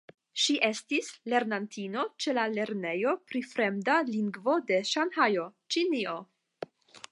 Ŝi estis lernantino ĉe la Lernejo pri Fremda Lingvo de Ŝanhajo (Ĉinio).